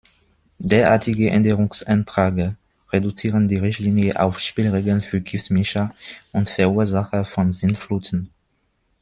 Derartige Änderungsanträge reduzieren die Richtlinie auf Spielregeln für Giftmischer und Verursacher von Sintfluten.